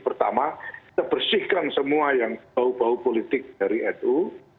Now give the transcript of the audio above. pertama kita bersihkan semua yang bau bau politik dari nu